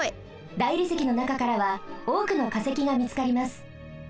大理石のなかからはおおくのかせきがみつかります。